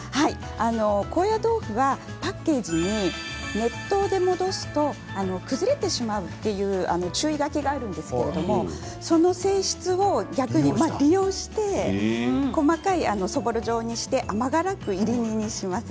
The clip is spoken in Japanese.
高野豆腐はパッケージに熱湯で戻すと崩れてしまうという注意書きがあるんですけれどもその性質を逆に利用して細かいそぼろ状にして甘辛くいり煮にします。